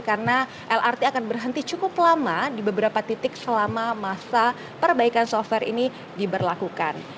karena lrt akan berhenti cukup lama di beberapa titik selama masa perbaikan software ini diberlakukan